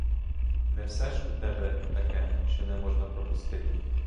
Не все ж у тебе таке, що не можна пропустити.